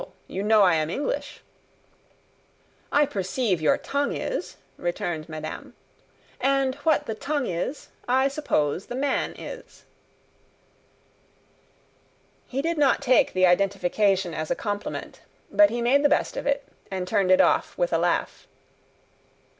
You know I am English." "I perceive your tongue is," returned madame; "and what the tongue is, I suppose the man is." He did not take the identification as a compliment; but he made the best of it, and turned it off with a laugh.